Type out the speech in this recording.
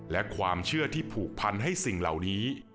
และความเชื่อที่ผูกพันให้สิ่งเหล่านี้